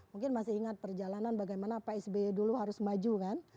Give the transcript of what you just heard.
mungkin masih ingat perjalanan bagaimana pak sby dulu harus maju kan